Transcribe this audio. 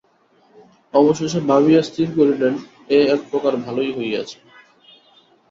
অবশেষে ভাবিয়া স্থির করিলেন, এ একপ্রকার ভালোই হইয়াছে।